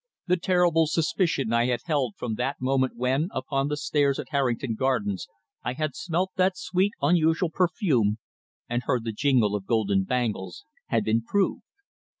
The terrible suspicion I had held from that moment when, upon the stairs at Harrington Gardens, I had smelt that sweet, unusual perfume and heard the jingle of golden bangles, had been proved.